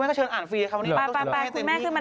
มานั่งข้ามรถแม่